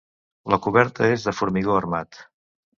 La coberta és de formigó armat.